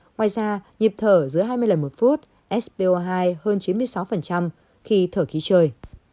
ngoài ra nhịp thở giữa hai mươi lần một phút spo hai hơn chín mươi sáu khi thở khí trời